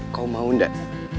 kau mau gak